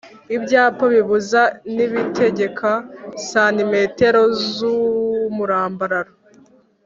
ibyapa bibuza n'ibitegeka: santimetero z'umurambararo